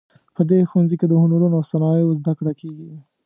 په دې ښوونځي کې د هنرونو او صنایعو زده کړه کیږي